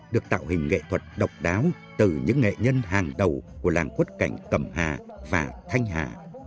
được tạo hình nghệ thuật độc đáo từ những nghệ nhân hàng đầu của làng quất cảnh cẩm hà và thanh hà